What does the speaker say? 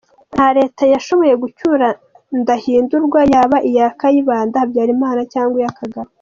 Nta leta yashoboye gucyura Ndahindurwa, yaba iya Kayibanda, Habyarimana, cyangwa iya Kagame.